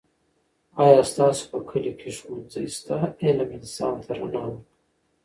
آیا ستاسو په کلي کې ښوونځی شته؟ علم انسان ته رڼا ورکوي.